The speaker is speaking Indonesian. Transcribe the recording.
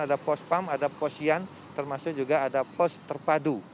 ada pos pam ada pos sian termasuk juga ada pos terpadu